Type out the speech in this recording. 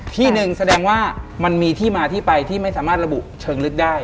ที่หนึ่งแสดงว่ามันมีที่มาที่ไปที่ไม่สามารถระบุเชิงลึกได้